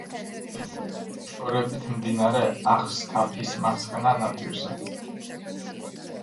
მოშორებით, მდინარე აღსთაფის მარცხენა ნაპირზე.